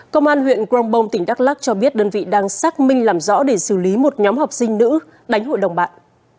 công an huyện grongbong tỉnh đắk lắc cho biết đơn vị đang xác minh làm rõ để xử lý một nhóm học sinh nữ đánh hội đồng bạn